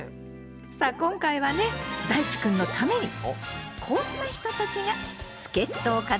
さあ今回はねだいちくんのためにこんな人たちが助っ人を買って出てくれたのよ。